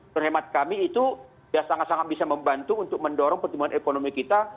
terhemat kami itu ya sangat sangat bisa membantu untuk mendorong pertumbuhan ekonomi kita